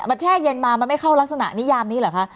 มันแช่เย็นมามันไม่เข้ารักษณะนิยามนี้เหรอคะ